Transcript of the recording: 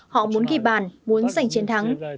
họ muốn ghi bàn muốn giành chiến thắng